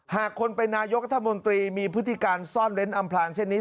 หากคนเป็นนายกรัฐมนตรีมีพฤติการซ่อนเล้นอำพลางเช่นนี้